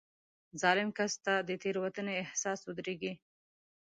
ظالم کس ته د تېروتنې احساس ودرېږي.